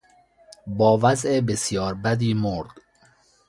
با وضع بسیار بدی مرد.